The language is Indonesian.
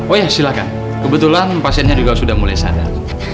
oh ya silahkan kebetulan pasiennya juga sudah mulai sadar